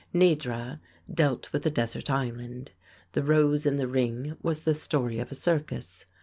"Nedra" dealt with a desert island. "The Rose in the Ring" was the story of a circus.